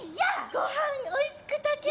ごはんおいしく炊けそう。